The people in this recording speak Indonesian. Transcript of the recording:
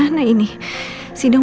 udah ngg haben decide terus